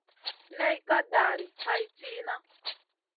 Ney ka dari hay tìhna.